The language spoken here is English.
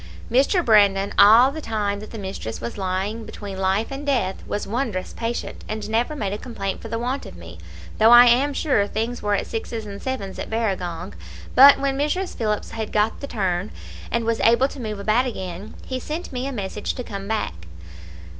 "Mr. Brandon, all the time that the mistress was lying between life and death, was wondrous patient, and never made a complaint for the want of me, though I am sure things were at sixes and sevens at Barragong; but when Mrs. Phillips had got the turn, and was able to move about again, he sent me a message to come back.